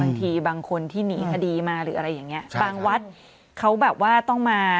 บางทีบางคนที่หนีคดีมาหรืออะไรอย่างเงี้ยบางวัดเขาแบบว่าต้องมา